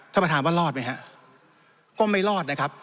ท่านประธานว่ารอดไหมฮะก็ไม่รอดนะครับ